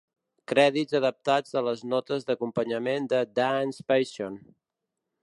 Crèdits adaptats de les notes d'acompanyament de "Dance Passion".